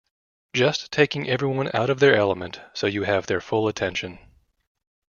Just taking everyone out of their element so you have their full attention.